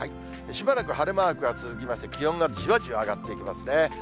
しばらく晴れマークが続きまして、気温がじわじわ上がっていきますね。